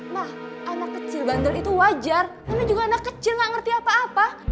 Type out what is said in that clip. nah anak kecil bandel itu wajar karena juga anak kecil gak ngerti apa apa